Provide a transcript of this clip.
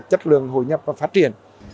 chất lượng hội nhập và phát triển